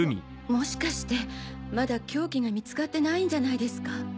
ももしかしてまだ凶器が見つかってないんじゃないですか？